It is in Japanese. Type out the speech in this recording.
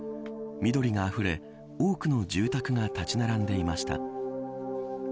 緑があふれ多くの住宅が立ち並んでいました。